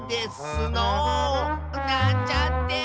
なんちゃって。